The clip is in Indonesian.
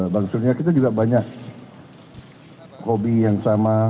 maksudnya kita juga banyak hobi yang sama